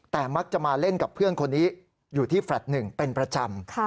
แต่มักจะมาเล่นกับเพื่อนคนนี้อยู่ที่แฟลต์๑เป็นประจำ